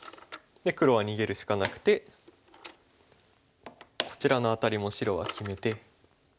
黒は逃げるしかなくてこちらのアタリも白は決めて。